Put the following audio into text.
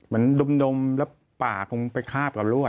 มันดมแล้วปลาก็มันไปคาบกับรวด